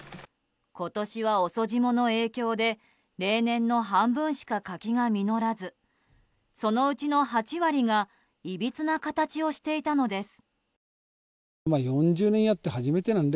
今年は遅霜の影響で例年の半分しか柿が実らずそのうちの８割がいびつな形をしていたのです。